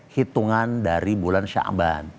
hitungan dari bulan syamban